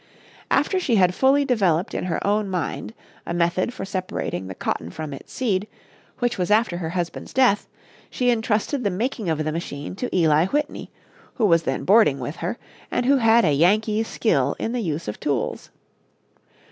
After she had fully developed in her own mind a method for separating the cotton from its seed, which was after her husband's death, she intrusted the making of the machine to Eli Whitney, who was then boarding with her, and who had a Yankee's skill in the use of tools.